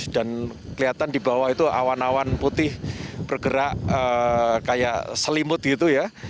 dan kelihatan di bawah itu awan awan putih bergerak kayak selimut gitu ya